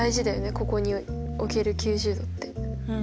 ここにおける９０°って。うん。